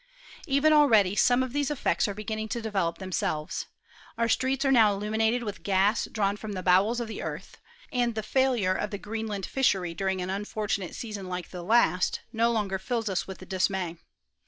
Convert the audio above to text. Even already some of thbse effects are besinoing to develop themselves ;— our streets are now illuminated with gas drawn from the bowels of the earth ; and the failure of the Green land fishery during an unfortunate season like the last, no longer fills lis with dismay.